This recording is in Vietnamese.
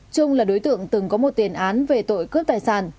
trung là đối tượng từng có một tiền án về tội cướp tài sản